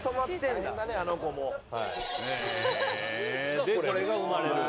でこれが生まれる。